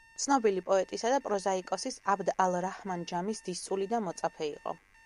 ცნობილი პოეტისა და პროზაიკოსის აბდ ალ-რაჰმან ჯამის დისწული და მოწაფე იყო.